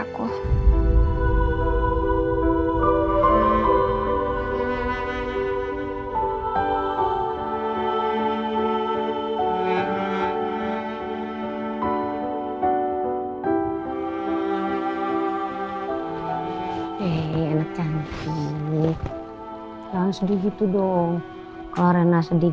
aku akan menerimanya